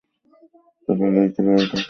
তা ভালোই তো, বড়োঠাকুর ডেকেই পাঠান-না।